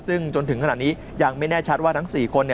ซึ่งจนถึงขณะนี้ยังไม่แน่ชัดว่าทั้ง๔คน